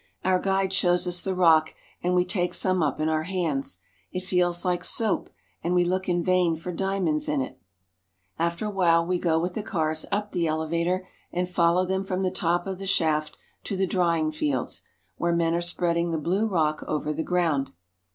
Our guide shows us the rock, and we take some up in our hands. It feels like soap, and we look in vain for diamonds in it. After a while we go with the cars up the elevator, and follow them from the top of the shaft to the drying fields, where men are spreading the blue rock over the ground.